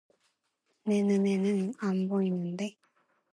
내 눈에는 안 보이는데.